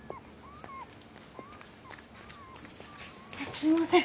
すいません。